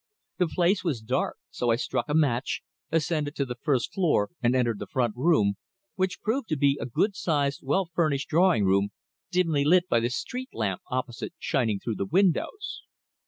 The place was dark, so I struck a match, ascended to the first floor and entered the front room, which proved to be a good sized, well furnished drawing room, dimly lit by the street lamp opposite shining through the windows.